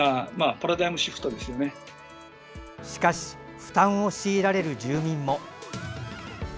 しかし負担を強いられる住民も。